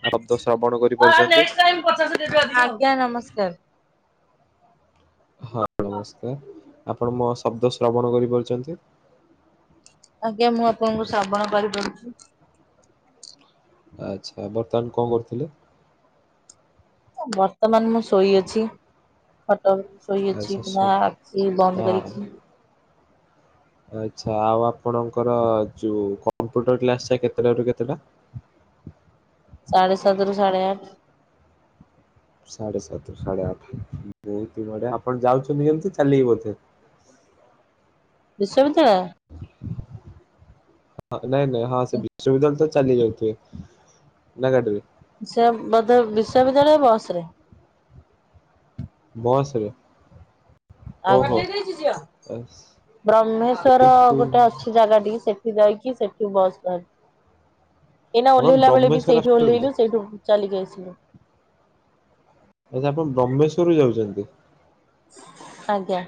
ଆ ଶବ୍ଦ ଶ୍ରବଣ କରିପାରୁଛନ୍ତି ଆଜ୍ଞା ନମସ୍କାର। ହଁ ନମସ୍କାର। ଆପଣ ମୋ ଶବ୍ଦ ଶ୍ରବଣ କରିପାରୁଚନ୍ତି? ଆଜ୍ଞା ମୁଁ ଆପଣଙ୍କୁ ଶ୍ରବଣ କରିପାରୁଚି। ଆଚ୍ଛା। ବର୍ତ୍ତମାନ କଣ କରୁଥିଲେ? ବର୍ତ୍ତମାନ ମୁଁ ଶୋଇଅଛି। ଖଟ ଉପରେ ଶୋଇଅଛି ଆଚ୍ଛା ଶୁ ଆଖି ଆ ବନ୍ଦ କରିକି। ଆଚ୍ଛା ଆଉ ଆପଣଙ୍କର ଯୋଉ କମ୍ପ୍ୟୁଟର କ୍ଲାସ ଟା କେତେଟା ରୁ କେତେଟା? ସାଢ଼େ ସାତରୁୁ ସାଢ଼େ ଆଠ। ସାଢେ ସାତ ରୁ ସାଢେ ଆଠ। [unintelligible] ଆପଣ ଯାଉଛନ୍ତି କେମିତି? ଚାଲିକି ବୋଧେ। ବିଶ୍ବବିଦ୍ୟାଳୟ? ହଁ ନାଇଁ ନାଇଁ ହଁ ସେ ବିଶ୍ଵବିଦ୍ୟାଳୟ ତ ଚାଲିକି ଯାଉଥିବେ। ନା ଗାଡ଼ି ରେ? ସେ ବୋଧେ ବିଶ୍ୱବିଦ୍ୟାଳୟ ବସ ରେ। ବସରେ? ଆଜ୍ଞା। ବ୍ରହ୍ମେଶ୍ଵର ଏଠୁ ଗୋଟେ ଅଛି ସେ ଜାଗା ଟିକି, ସେଠି ଯାଇକି ସେଠୁ ବସ ଧରୁ। ଏଇନା ଆପଣ ଓହ୍ଲେଇଲା ବେଳେ ବି ବ୍ରହ୍ମେଶ୍ଵର ସେଇଠୁ ଆସୁଛନ୍ତି ଓହ୍ଲେଇଲୁ, ସେଇଠୁ ଚାଲିକି ଆସିଲୁ। ଆଚ୍ଛା ଆପଣ ବ୍ରହ୍ମେଶ୍ୱରରୁ ଯାଉଛନ୍ତି? ଆଜ୍ଞା।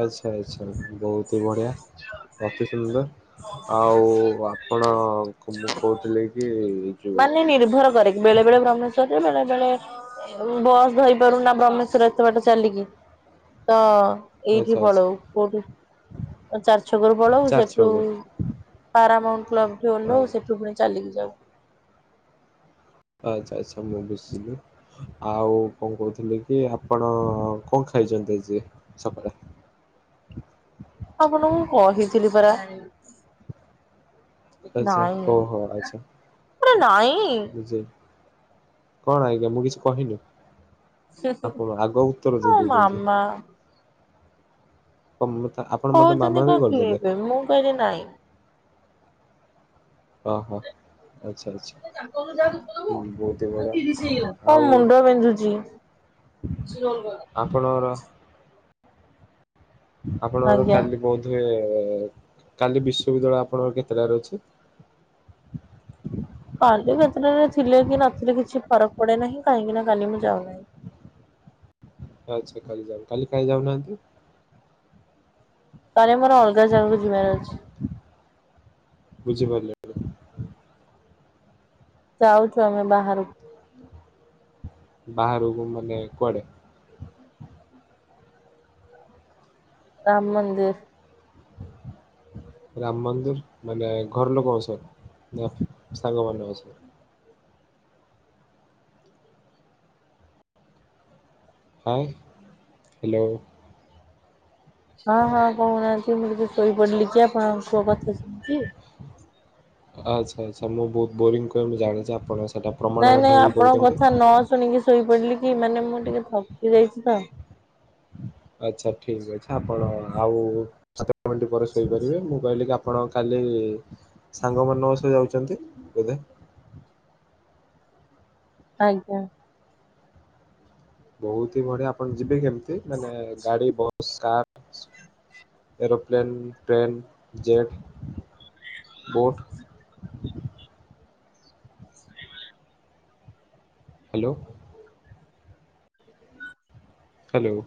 ଆଚ୍ଛା ଆଚ୍ଛା। ବହୁତି ହି ବଢିଆ ଅତି ସୁନ୍ଦର। ଆଉ ଆପଣ ମୁଁ କହୁଥିଲି କି ଯୋ ମାନେ ନିର୍ଭର କରେ। ବେଳେ ବେଳେ ବ୍ରହ୍ମେଶ୍ଵରରେ ବେଳେ ବେଳେ ବସ୍ ଧରିପାରୁନା ବ୍ରହ୍ମେଶ୍ଵର ଏତେ ବାଟ ଚାଲିକି। ତ ଆଚ୍ଛା ଏଇଠି ଆଚ୍ଛା ପଳଉ। କୋଉଠୁ? ଚାରି ଛକରୁ ପଳଉ। ଚାରି ସେଠୁ ଛକରୁ ପାରାମାଉଣ୍ଟ କ୍ଲବ୍ ଠୁ ଓହ୍ଲଉ। ସେଠୁ ପୁଣି ଚାଲିକି ଯାଉ। ଆଚ୍ଛା ଆଚ୍ଛା ମୁଁ ବୁଝିଲି। ଆଉ କଣ କହୁଥିଲି କି ଆପଣ କଣ ଖାଇଛନ୍ତି ଆଜି ସକାଳେ? ଆପଣଙ୍କୁ କହିଥିଲି ପରା। ଆଚ୍ଛା ନାଇଁ ଓହୋ ଆଚ୍ଛା ପରା ନାଇଁ। କଣ ଆଜ୍ଞା ମୁଁ କିଛି କହିନି। ଆପଣ ଆଗ ଉତ୍ତର ମୋ ଦେଇଦଉଛନ୍ତି। ମାମା [unintelligible] କହୁଛନ୍ତି ବି କଣ କିଏ କରିଦେଲେ ଏବେ ମୁଁ କହିଲି ନାଇଁ। ଓ ହ ଆଚ୍ଛା ଆଚ୍ଛା। ମୋ ବହୁତ ହି ବଢିଆ। ଆଉ ମୁଣ୍ଡ ବିନ୍ଧୁଚି। ବେଶୀ ରୋଲ୍ କଲା। ଆପଣଙ୍କର ଆପଣଙ୍କର ଆଜ୍ଞା। କାଲି ବୋଧ ହୁଏ କାଲି ବିଶ୍ବବିଦ୍ୟାଳୟ ଆପଣଙ୍କର କେତେଟାରେ ଅଛି? କାଲି କେତେଟାରେ ଥିଲେ କି ନଥିଲେ କିଛି ଫରକ୍ ପଡେ ନାହିଁ କାହିଁକି ନା କାଲି ମୁଁ ଯାଉନାହିଁ। ଆଚ୍ଛା କାଲି ଯାଉ। କାଲି କାହିଁ ଯାଉନାହାନ୍ତି? କାଲି ଆମର ଅଲଗା ଜାଗା କୁ ଯିବାର ଅଛି। ବୁଝିପାରିଲେ। ଯାଉଚୁ ଆମେ ବାହାରକୁ। ବାହାରକୁ ମାନେ କୁଆଡେ? ରାମ୍ ମନ୍ଦିର୍। ରାମ୍ ମନ୍ଦିର୍, ମାନେ ଘର ଲୋକ ଙ୍କ ସହ ନା ସାଙ୍ଗ ମାନ ଙ୍କ ସହ? ହଁ ହ୍ୟାଲୋ। ହଁ ହଁ କହୁନାହାନ୍ତି ମୁଁ ଟିକେ ଶୋଇପଡିଲି ଯେ ଆପଣଙ୍କ କୁହ କଥା ଶୁବୁଚି। ଆଚ୍ଛା ଆଚ୍ଛା ମୁଁ ବହୁତ ବୋରିଙ୍ଗ କହେ ମୁଁ ଜାଣିଚି। ଆପଣ ସେଇଟା ନାଇଁ ପ୍ରମାଣ ନାଇଁ ମଧ୍ୟ ବି ଆପଣଙ୍କ କରୁଛନ୍ତି। କଥା ନ ଶୁଣିକି ଶୋଇପଡିଲି କି ମାନେ ମୁଁ ଟିକେ ଥକି ଯାଇଚି ତ। ଆଚ୍ଛା ଠିକ୍ ଅଛି ଆପଣ ଆଉ ସାତ ମିନିଟ ପରେ ଶୋଇପାରିବେ ମୁଁ କହିଲି କି ଆପଣ କାଲି ସାଙ୍ଗ ମାନଙ୍କ ସହ ଯାଉଛନ୍ତି ବୋଧେ? ଆଜ୍ଞା। ବହୁତ ହି ବଢିଆ ଆପଣ ଯିବେ କେମିତି ମାନେ ଗାଡି bus car? Aeroplane train jet boat? Hello. Hello.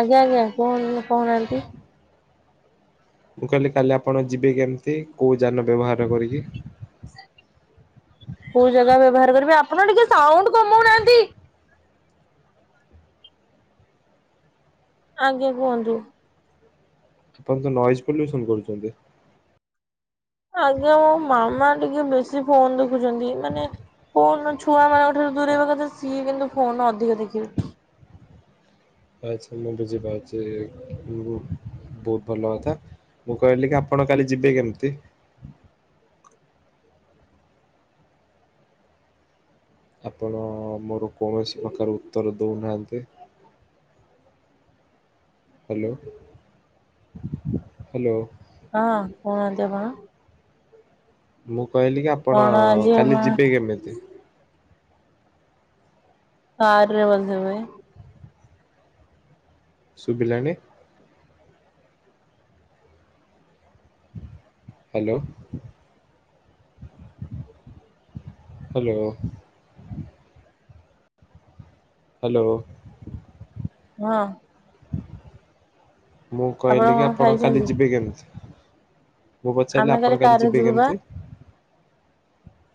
ଆଜ୍ଞା ଆଜ୍ଞା କୁ କହୁନାହାନ୍ତି। ମୁଁ କହିଲି କାଲି ଆପଣ ଯିବେ କେମିତି କୋଉ ଯାନ ବ୍ୟବହାର କରିକି? କୋଉ ଜାଗା ବ୍ୟବହାର କରିବେ ଆପଣ ଟିକେ ସାଉଣ୍ଡ କମଉନାହାନ୍ତି। ଆଜ୍ଞା କୁହନ୍ତୁ। ଆପଣ ତ ନଏଜ ପଲ୍ୟୁସନ କରୁଛନ୍ତି। ଆଜ୍ଞା ମୋ ମାମା ଟିକେ ବେଶୀ ଫୋନ ଦେଖୁଛନ୍ତି ମାନେ ଫୋନ ଛୁଆ ମାନ ରୁ ଦୂରେଇବା କଥା ସିଏ କିନ୍ତୁ ଫୋନ ଅଧିକ ଦେଖିବେ। ଆଚ୍ଛା ମୁଁ ବୁଝି ପାରୁଛି ବହୁତ ଭଲ କଥା। ମୁଁ କହିଲି କି ଆପଣ କାଲି ଯିବେ କେମିତି? ଆପଣ ମୋର କୌଣସି କଥାର ଉତ୍ତର ଦେଉନାହାନ୍ତି। Hello hello. ହଁ କହୁନାହାନ୍ତି ଆପଣ। ମୁଁ କହିଲି କି ଆପଣ କଣ ଆଜି କାଲି ଆପଣ ଯିବେ କେମିତି? କାର ରେ [unintelligible] ଶୁଭିଲାନି। ହ୍ୟାଲୋ। ହ୍ୟାଲୋ। ହ୍ୟାଲୋ। ହଁ। ମୁଁ କହିଲି କି କଣ ଆପଣ କାଲି ଖାଇଛନ୍ତି ଯିବେ କେମିତି? ମୁଁ ପଚାରିଲି ଆମେ ଆପଣ କାଲି କାରରେ ଯିବେ ଯିବୁ ବା କେମିତି?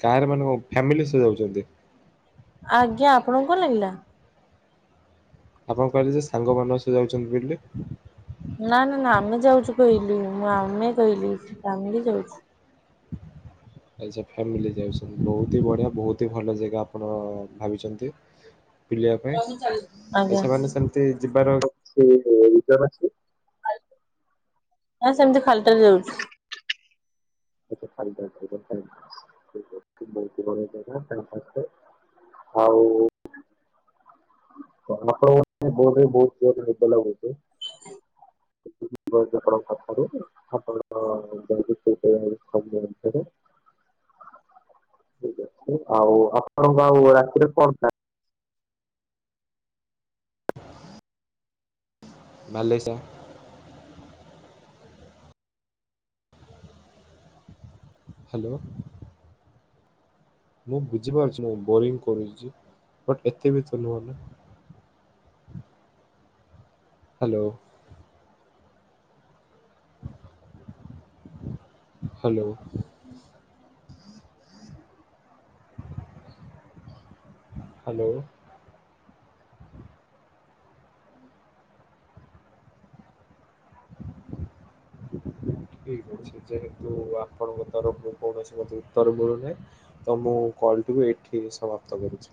କାରେ ମାନେ ଫ୍ୟାମିଲି ସହ ଯାଉଛନ୍ତି? ଆଜ୍ଞା ଆପଣଙ୍କୁ କଣ ଲାଗିଲା? ଆପଣ କହିଲେ ଯେ ସାଙ୍ଗମାନ ଙ୍କ ସହ ଯାଉଛନ୍ତି ବୋଲି। ନା ନା ନା ଆମେ ଯାଉଛୁ କହିଲୁ ମୁଁ ଆମେ କହିଲି ଫ୍ୟାମିଲି ଯାଉଛୁ। ଆଚ୍ଛା ଫାମିଲ ଯାଉଛନ୍ତି ବହୁତ ହି ବଢିଆ ବହୁତ ହି ଭଲ ଜାଗା ଆପଣ ଭାବିଛନ୍ତି। ପିଲିବା ପାଇଁ ଆ ଆଜ୍ଞା ସେମାନେ ସେମତି ଯିବାର [unintelligible] ହଁ ସେମିତି ଖାଲିଟା ରେ ଯାଉଛୁ। [unintelligible] ହଉ। ବହୁ ବହୁତ ନିଦ ଲାଗୁଛି। [unintelligible] [unintelligible] [inaudible] ଠିକ ଅଛି ଆଉ ଆପଣଙ୍କୁ ଆଉ ରାତିରେ କଣ [unintelligible] [unintelligible] ହ୍ୟାଲୋ। ମୁଁ ବୁଝିପାରୁଛି ନା ବୋରିଙ୍ଗ କରୁଛି ବଟ ଏତେ ବି ତ ନୁହଁ ନା। ହ୍ୟାଲୋ। ହ୍ୟାଲୋ। ହ୍ୟାଲୋ। ଠିକ ଅଛି ଯେହେତୁ ଆପଣଙ୍କ ତରଫରୁ କୌଣସି ମତେ ଉତ୍ତର ମିଳୁନି ତ ମୁଁ କଲଟିକୁ ଏଇଠି ସମାପ୍ତ କରିଛି।